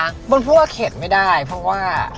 มันพูดว่าเข็ดไม่ได้เพราะว่า